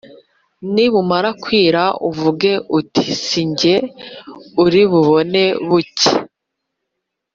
nibumara kwira uvuge uti ‘si jye uri bubone bucya!,’